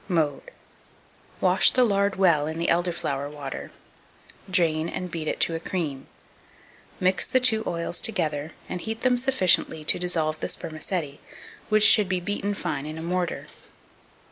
Mode. Wash the lard well in the elder flower water; drain, and beat it to a cream. Mix the two oils together, and heat them sufficiently to dissolve the spermaceti, which should be beaten fine in a mortar.